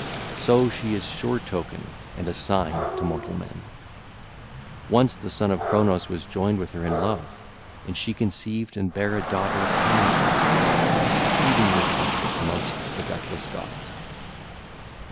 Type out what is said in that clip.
So she is a sure token and a sign to mortal men. (ll. 14 16) Once the Son of Cronos was joined with her in love; and she conceived and bare a daughter Pandia, exceeding lovely amongst the deathless gods.